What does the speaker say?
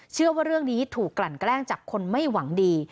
เชื่อว่าเรื่องนี้ถูกกลั่นแกล้งจากคนไม่หวังดี